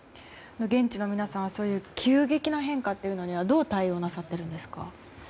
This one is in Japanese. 現地の皆さんは急激な変化にはどう対応なさっているんですか。